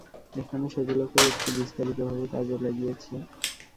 এখানে সেগুলোকেই একটু বিস্তারিতভাবে কাজে লাগিয়েছে।